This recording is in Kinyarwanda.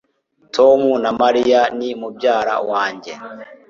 Tom na Mariya ni mubyara wanjye